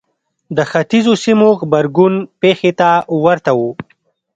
د ختیځو سیمو غبرګون پېښې ته ورته و.